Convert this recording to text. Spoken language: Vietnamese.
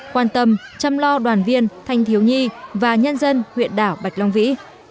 quan tâm chăm lo đoàn viên thanh thiếu nhi và nhân dân huyện đảo bạch long vĩ